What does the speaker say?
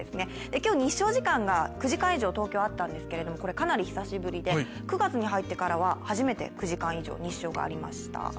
今日日照時間が９時間以上、東京はあったんですがこれはかなり久しぶりで、９月に入ってからは初めて９時間以上日照がありました。